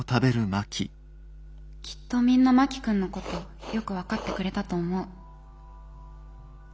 きっとみんな真木君のことよく分かってくれたと思う。